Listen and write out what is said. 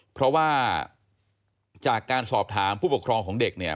เพราะว่าจากการสอบถามผู้ปกครองของเด็กเนี่ย